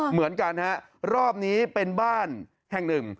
เหมือนกันฮะรอบนี้เป็นบ้านแห่งหนึ่ง